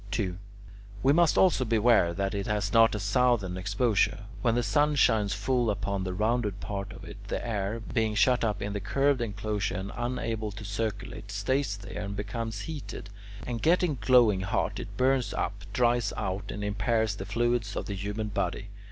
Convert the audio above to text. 2. We must also beware that it has not a southern exposure. When the sun shines full upon the rounded part of it, the air, being shut up in the curved enclosure and unable to circulate, stays there and becomes heated; and getting glowing hot it burns up, dries out, and impairs the fluids of the human body.